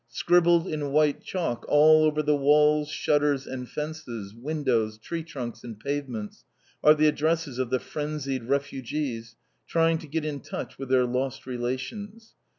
Scribbled in white chalk all over the walls, shutters, and fences, windows, tree trunks, and pavements, are the addresses of the frenzied refugees, trying to get in touch with their lost relations.